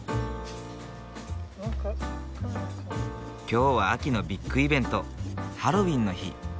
今日は秋のビッグイベントハロウィンの日。